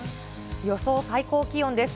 予想最高気温です。